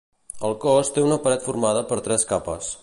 El cos té una paret formada per tres capes.